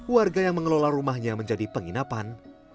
warga yang mengelola rumahnya menjadi penginapan